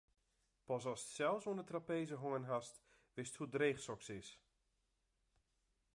Pas ast sels oan 'e trapeze hongen hast, witst hoe dreech soks is.